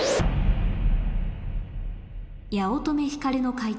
八乙女光の解答